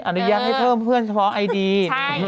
อนุญาตให้เพิ่มเพื่อนเฉพาะไอดี